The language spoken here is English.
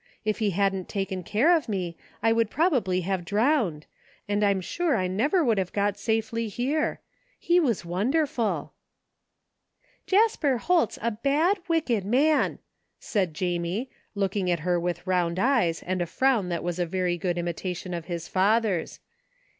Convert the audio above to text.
If he hadn't taken care of me I would probably have drowned, and I'm sure I never would have got safdy here. He was wonderful !"Jasper Holt's a bad, wicked man," said Jamie, looking at her with round eyes and a frown that was a very good imitation of his father's.